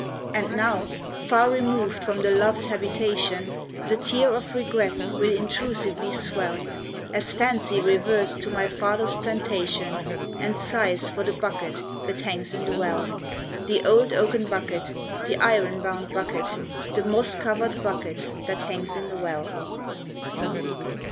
And now, far removed from the loved habitation, The tear of regret will intrusively swell. As fancy reverts to my father's plantation, And sighs for the bucket that hangs in the well The old oaken bucket, the iron bound bucket, The moss covered bucket that hangs in the well!